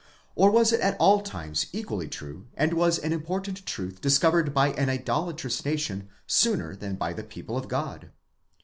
or was it at all times equally true, and was an important truth discovered by an idolatrous nation sooner than by the people of God?